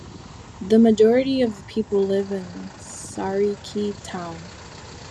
The majority of the people live in Sarikei town.